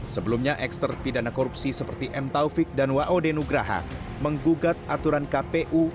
sebelumnya ekster pidana korupsi seperti m taufik dan w o denugraha menggugat aturan kpu